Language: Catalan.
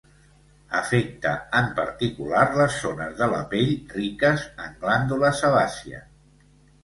Afecta en particular les zones de la pell riques en glàndula sebàcia.